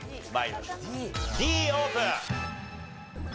Ｄオープン！